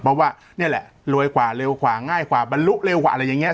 เพราะว่านี่แล้วรวยคว่าเร็วง่ายบรรลุอะไรอย่างเนี่ย